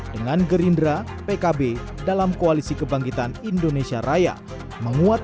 dengan gerindra pkb dalam koalisi kebangkitan indonesia raya